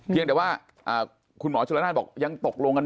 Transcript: เพียงแต่ว่าคุณหมอชนละนานบอกยังตกลงกัน